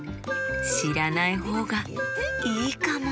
しらないほうがいいかも！